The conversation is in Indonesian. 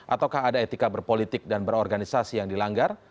ataukah ada etika berpolitik dan berorganisasi yang dilanggar